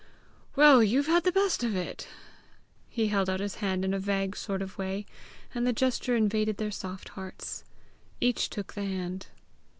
Well, you've had the best of it!" He held out his hand in a vague sort of way, and the gesture invaded their soft hearts. Each took the hand.